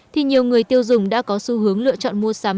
thì nhiều người tiêu dùng đã có xu hướng lựa chọn mua sắm